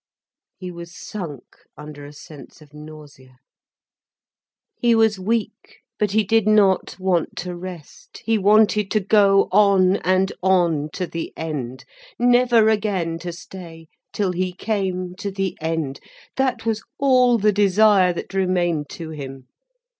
He was sunk under a sense of nausea. He was weak, but he did not want to rest, he wanted to go on and on, to the end. Never again to stay, till he came to the end, that was all the desire that remained to him.